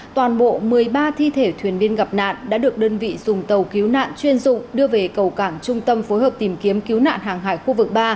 toàn bộ một mươi ba thi thể thuyền viên gặp nạn đã được đơn vị dùng tàu cứu nạn chuyên dụng đưa về cầu cảng trung tâm phối hợp tìm kiếm cứu nạn hàng hải khu vực ba